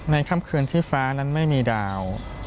ค่ำคืนที่ฟ้านั้นไม่มีดาว